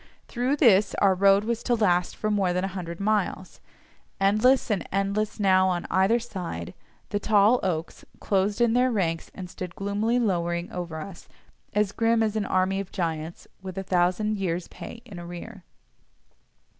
Through this our road was to last for more than a hundred miles. Endless, and endless now on either side, the tall oaks closed in their ranks and stood gloomily lowering over us, as grim as an army of giants with a thousand years' pay in arrear.